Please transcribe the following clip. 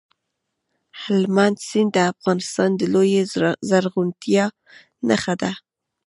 هلمند سیند د افغانستان د لویې زرغونتیا نښه ده.